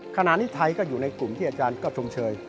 ขณะนี้ไทยก็อยู่ในกลุ่มที่อาจารย์ก็ชมเชย